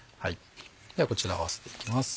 ではこちらを合わせていきます。